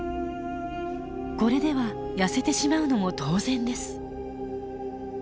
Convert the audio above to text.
これでは痩せてしまうのも当然です。